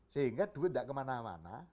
sehingga duit tidak kemana mana